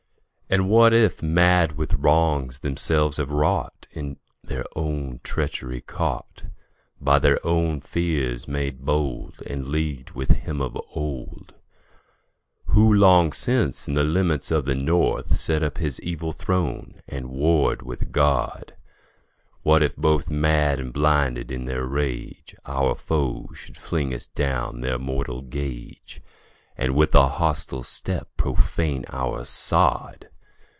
And what if, mad with wrongs themselves have wrought, In their own treachery caught, By their own fears made bold, And leagued with him of old, Who long since, in the limits of the North, Set up his evil throne, and warred with God What if, both mad and blinded in their rage, Our foes should fling us down their mortal gage, And with a hostile step profane our sod!